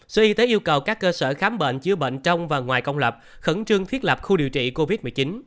sở y tế yêu cầu các cơ sở khám bệnh chữa bệnh trong và ngoài công lập khẩn trương thiết lập khu điều trị covid một mươi chín